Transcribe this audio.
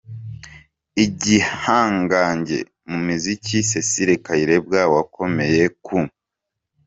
Igihangange mu muziki Cecile Kayirebwa wakomeye ku.